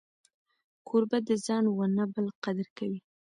کوربه د ځان و نه بل قدر کوي.